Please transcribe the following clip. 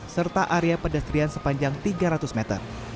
serta area pedestrian sepanjang tiga ratus meter